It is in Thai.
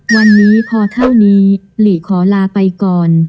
วันนี้พอเท่านี้หลีขอลาไปก่อน